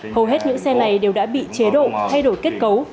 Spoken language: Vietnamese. hầu hết những xe này đều đã bị chế độ thay đổi kết cấu